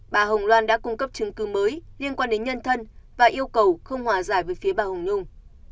bà hồng loan đã cung cấp chứng cứ mới liên quan đến nhân thân và yêu cầu không hòa giải với phía bà hồng nhung